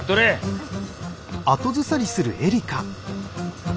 はい。